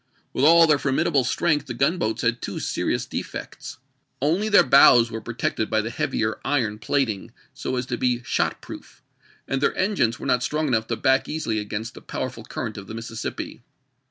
With all their formidable strength the gunboats had two serious defects. Only their bows were protected by the heavier iron plating so as to be shot proof, and their engines were not strong enough to back easily against the powerful current of the Mississippi.